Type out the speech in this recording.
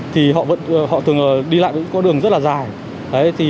thì họ thường đi lại với những con đường rất là dài